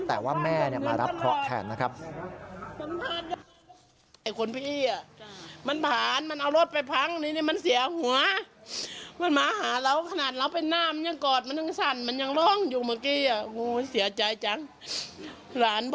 แต่ว่าแม่มารับเคราะห์แทนนะครับ